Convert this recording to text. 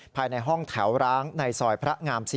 ภายในห้องแถวร้างในซอยพระงาม๔